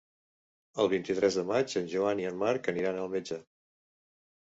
El vint-i-tres de maig en Joan i en Marc aniran al metge.